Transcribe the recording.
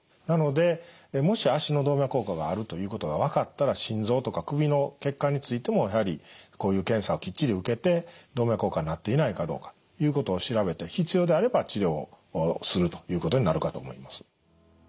なのでもし脚の動脈硬化があるということが分かったら心臓とか首の血管についてもやはりこういう検査をきっちり受けて動脈硬化になっていないかどうかということを調べて必要であれば治療をするということになるかと思います。